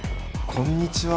こんにちは。